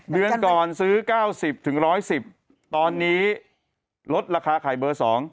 เดือนก่อนซื้อ๙๐๑๑๐ตอนนี้ลดราคาไข่เบอร์๒